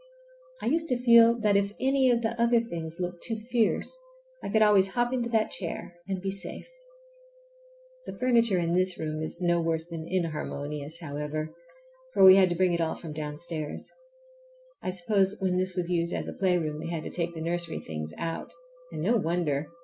I used to feel that if any of the other things looked too fierce I could always hop into that chair and be safe. The furniture in this room is no worse than inharmonious, however, for we had to bring it all from downstairs. I suppose when this was used as a playroom they had to take the nursery things out, and no wonder!